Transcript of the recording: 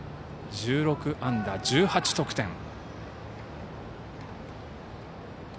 １６安打１８得点。